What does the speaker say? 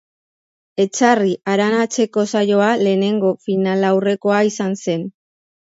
Etxarri Aranatzeko saioa lehenengo finalaurrekoa izan zen.